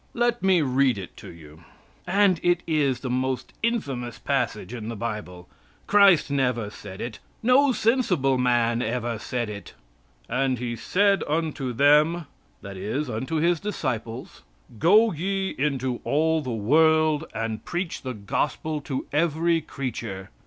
Let me read it to you. And it is the most infamous passage in the Bible. Christ never said it. No sensible man ever said it. "And He said unto them" that is, unto His disciples "Go ye into all the world and preach the gospel to every creature.